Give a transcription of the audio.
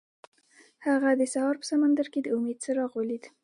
هغه د سهار په سمندر کې د امید څراغ ولید.